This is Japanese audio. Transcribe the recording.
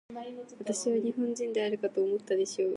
私は日本人であるかと思ったでしょう。